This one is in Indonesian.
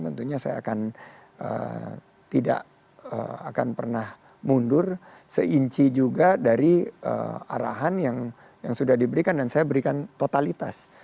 tentunya saya akan tidak akan pernah mundur seinci juga dari arahan yang sudah diberikan dan saya berikan totalitas